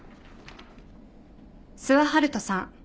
諏訪遙人さん